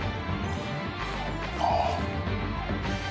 「ああ」